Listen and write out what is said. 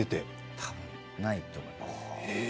たぶんないと思います。